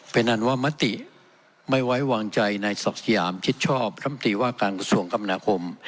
เป็นอันว่ามติไม่ไว้วางใจในศักดิ์สยามชิดชอบรำตีว่าการกระทรวงกรรมนาคม